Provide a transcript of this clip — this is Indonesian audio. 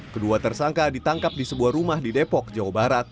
kedua tersangka ditangkap di sebuah rumah di depok jawa barat